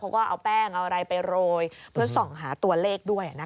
เขาก็เอาแป้งเอาอะไรไปโรยเพื่อส่องหาตัวเลขด้วยนะคะ